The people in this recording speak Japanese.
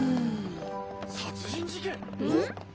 殺人事件！？